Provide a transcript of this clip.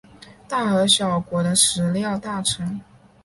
大和小学国的食料大臣。